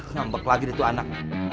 nyambek lagi dia tuh anak